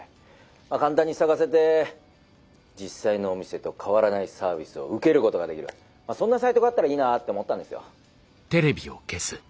簡単に探せて実際のお店と変わらないサービスを受けることができるそんなサイトがあったらいいなって思ったんですよ。